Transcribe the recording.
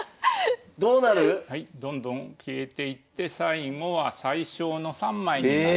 どうなる⁉どんどん消えていって最後は最少の３枚になる。